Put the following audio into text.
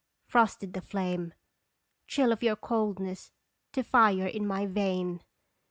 Frosted the flame, Chill of your coldness to fire in my vein